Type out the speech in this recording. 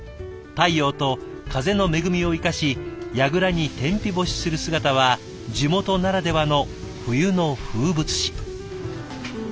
太陽と風の恵みを生かしやぐらに天日干しする姿は地元ならではの冬の風物詩。